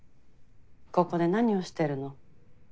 ここで何をしてるの？